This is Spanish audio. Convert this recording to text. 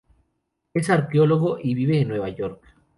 Es arqueólogo y vive en Nueva York.